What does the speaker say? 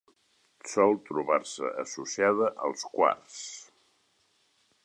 Sol trobar-se associada al quars.